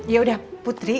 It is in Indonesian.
ya udah putri